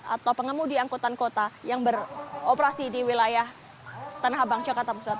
atau pengemudi angkutan kota yang beroperasi di wilayah tanah abang jakarta pusat